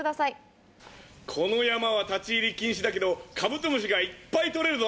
この山は立ち入り禁止だけどカブトムシがいっぱい捕れるぞ！